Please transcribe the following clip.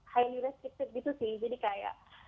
highly restricted gitu sih jadi kayak